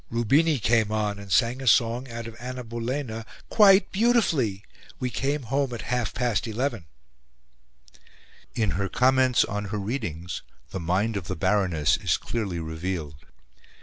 Rubini came on and sang a song out of 'Anna Boulena' QUITE BEAUTIFULLY. We came home at 1/2 past 11." In her comments on her readings, the mind of the Baroness is clearly revealed.